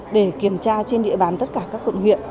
để kiểm tra trên địa bàn tất cả các quận huyện